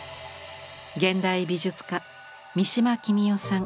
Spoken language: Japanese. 現代美術家三島喜美代さん